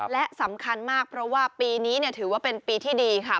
และสำคัญมากเพราะว่าปีนี้ถือว่าเป็นปีที่ดีค่ะ